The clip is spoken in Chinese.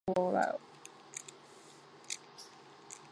轻关易道，通商宽农